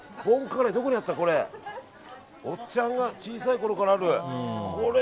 おっちゃんが小さいころからある。